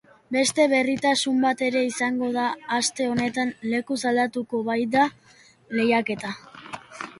Beste berritasun bat ere izango da aste honetan, lekuz aldatuko baita lehiaketa.